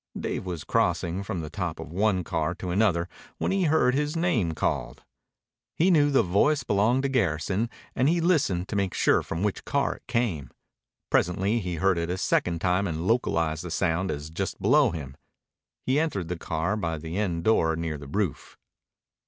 Dave was crossing from the top of one car to another when he heard his name called. He knew the voice belonged to Garrison and he listened to make sure from which car it came. Presently he heard it a second time and localized the sound as just below him. He entered the car by the end door near the roof.